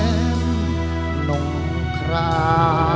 โดยแก้มหนุ่มสุดของดรผิดของคุณค่า